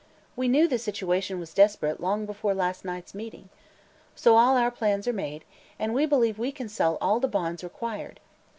We knew the situation was desperate long before last night's meeting. So all our plans are made, and we believe we can sell all the bonds required.